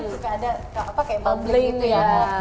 juga ada kayak bubbling gitu ya